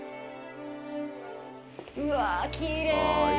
うわあ、きれい。